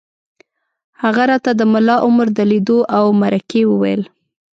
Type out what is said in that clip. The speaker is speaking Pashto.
هغه راته د ملا عمر د لیدو او مرکې وویل